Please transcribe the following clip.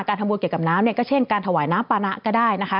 ทำบุญเกี่ยวกับน้ำเนี่ยก็เช่นการถวายน้ำปานะก็ได้นะคะ